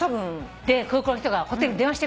で空港の人がホテルに電話してくれたの。